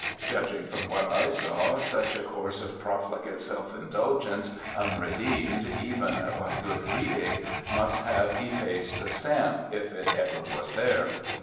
Judging from what I saw, such a course of profligate self indulgence, unredeemed, even by good breeding, must have effaced the stamp, if it ever was there.